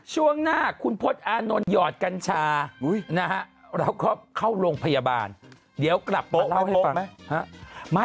ช่วงหน้าคุณพจน์อานนท์หยอดกัญชานะครับเข้าโรงพยาบาลเดี๋ยวกลับโปะ